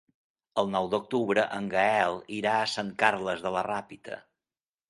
El nou d'octubre en Gaël irà a Sant Carles de la Ràpita.